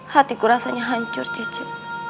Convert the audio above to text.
hatiku rasanya hancur cicu